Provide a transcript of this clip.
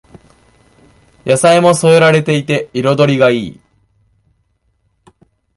野菜も添えられていて彩りがいい